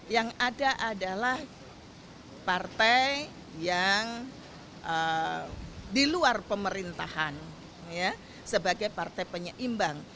yang ada adalah partai yang di luar pemerintahan sebagai partai penyeimbang